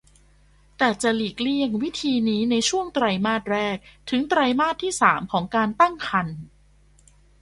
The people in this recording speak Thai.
แต่จะหลีกเลี่ยงวิธีนี้ในช่วงไตรมาสแรกถึงไตรมาสที่สามของการตั้งครรภ์